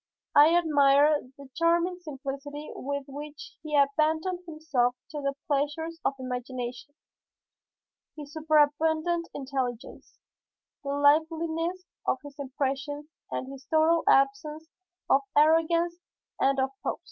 I admired the charming simplicity with which he abandoned himself to the pleasures of imagination, his superabundant intelligence, the liveliness of his impressions and his total absence of arrogance and of pose.